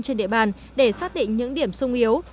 trên địa bàn để xác định những điểm sung yếu